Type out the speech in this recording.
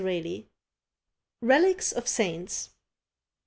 ] RELICS OF SAINTS.